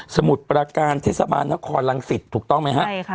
มุดประการเทศบาลนครรังสิตถูกต้องไหมฮะใช่ค่ะ